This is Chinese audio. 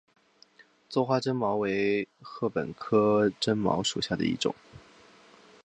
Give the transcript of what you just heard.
座花针茅为禾本科针茅属下的一个种。